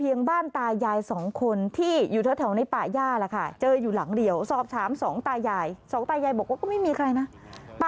มีเสื้อผ้าอยู่เหรอหนูจริง